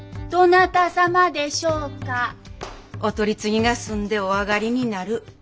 お取り次ぎが済んでお上がりになる。